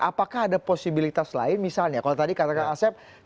apakah ada posibilitas lain misalnya kalau tadi kata kak asep